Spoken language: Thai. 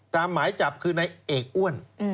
หมายจับคือในเอกอ้วน